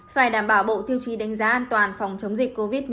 phải đảm bảo bộ tiêu chí đánh giá an toàn phòng chống dịch covid một mươi chín